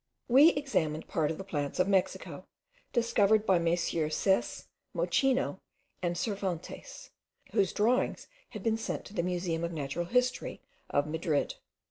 We examined part of the plants of Mexico, discovered by Messrs. Sesse, Mocino, and Cervantes, whose drawings had been sent to the Museum of Natural History of Madrid.